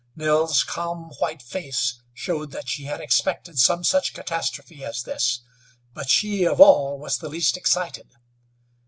Nell's calm, white face showed that she had expected some such catastrophe as this, but she of all was the least excited.